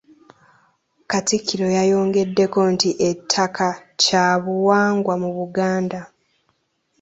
Katikkiro yayongeddeko nti ettaka kya buwangwa mu Buganda.